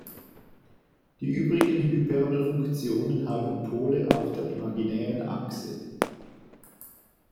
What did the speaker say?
Die übrigen Hyperbelfunktionen haben Pole auf der imaginären Achse.